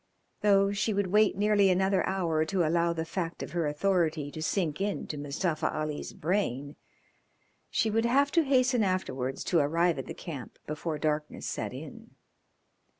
Though she would wait nearly another hour to allow the fact of her authority to sink into Mustafa Ali's brain she would have to hasten afterwards to arrive at the camp before darkness set in.